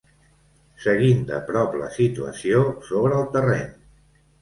Seguint de prop la situació sobre el terreny.